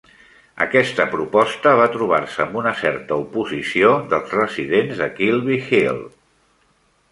Aquesta proposta va trobar-se amb una certa oposició dels residents de Kilvey Hill.